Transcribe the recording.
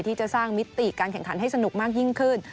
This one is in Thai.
ที่จะสร้างมิติการแข่งขันให้สนุกมากยิ่งขึ้น